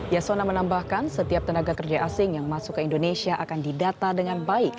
yasona menambahkan setiap tenaga kerja asing yang masuk ke indonesia akan didata dengan baik